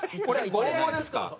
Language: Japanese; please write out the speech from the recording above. これ５５ですか？